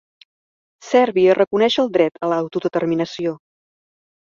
Sèrbia reconeix el dret a l'autodeterminació